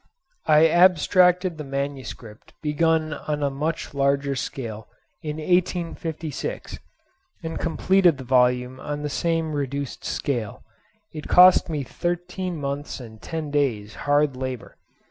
I abstracted the MS. begun on a much larger scale in 1856, and completed the volume on the same reduced scale. It cost me thirteen months and ten days' hard labour.